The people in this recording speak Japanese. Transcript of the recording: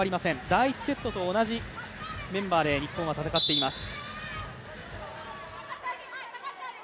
第１セットと同じメンバーで日本は戦っています。